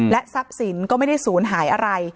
ทรัพย์สินก็ไม่ได้ศูนย์หายอะไร